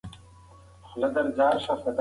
ماشوم په ډېرې خوښۍ سره بیرته د انا خونې ته راغی.